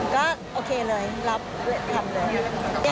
ก็โอเคเลยรับทำเลย